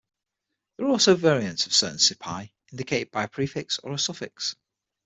There also are variants of certain "cipai", indicated by a prefix or a suffix.